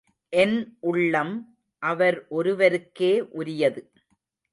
என் உள்ளம் அவர் ஒருவருக்கே உரியது.